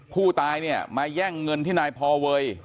ผู้ตายเนี่ยมาแย่งเงินที่นายพอเวย